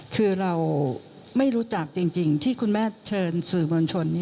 คือเราไม่รู้จักจริงที่คุณแม่เชิญสื่อมวลชน